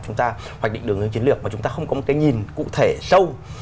chúng ta hoạch định đường hướng chiến lược mà chúng ta không có một cái nhìn cụ thể sâu